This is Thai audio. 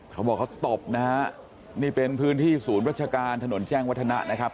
เขาบอกเขาตบนะฮะนี่เป็นพื้นที่ศูนย์วัชการถนนแจ้งวัฒนะนะครับ